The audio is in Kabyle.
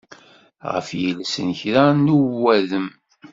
Ɣef yiles n kra n uwadem.